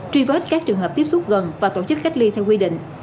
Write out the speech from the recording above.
truy vết các trường hợp tiếp xúc gần và tổ chức cách ly theo quy định